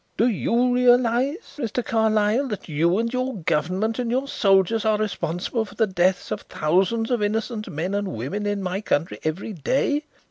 "Do you realize, Mr. Carlyle, that you and your Government and your soldiers are responsible for the death of thousands of innocent men and women in my country every day?